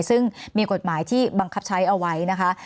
ซึ่งมีกฎหมายที่บังคับใช้เอาไว้นะคะ